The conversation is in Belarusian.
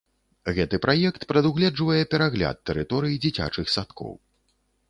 Гэты праект прадугледжвае перагляд тэрыторый дзіцячых садкоў.